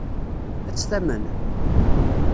Ad tt-tamen?